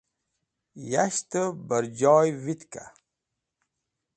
Yashtẽv bẽrjoy vitka?